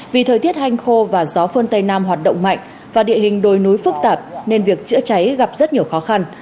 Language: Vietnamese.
vì thời tiết hanh khô và gió phơn tây nam hoạt động mạnh và địa hình đồi núi phức tạp nên việc chữa cháy gặp rất nhiều khó khăn